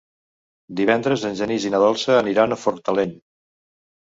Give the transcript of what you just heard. Divendres en Genís i na Dolça aniran a Fortaleny.